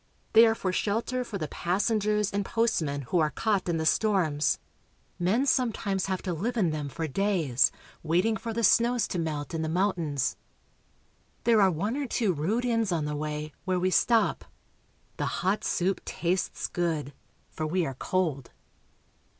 They are for shelter for the passengers and postmen who are caught in the storms. Men sometimes have to live in them for days, waiting for the snows to melt in the mountains. There are one or two rude inns on the way, where we stop ; the hot soup tastes good, for we are cold.